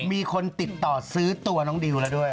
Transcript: มีคนติดต่อซื้อตัวน้องดิวแล้วด้วย